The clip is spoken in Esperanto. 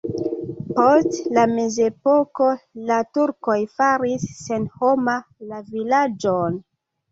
Post la mezepoko la turkoj faris senhoma la vilaĝon.